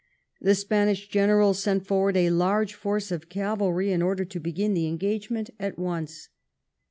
The Spanish general sent forward a large force of cavalry in order to begin the engagement at once.